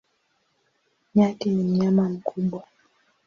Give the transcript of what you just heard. Nyati ni mnyama mkubwa.